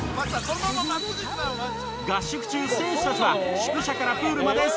合宿中選手たちは宿舎からプールまでソリで移動。